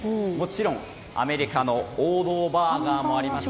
アメリカの王道バーガーもあります